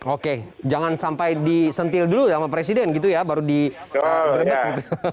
oke jangan sampai disentil dulu sama presiden gitu ya baru digrebek gitu